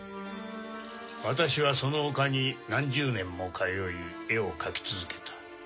私はその丘に何十年も通い絵を描き続けた。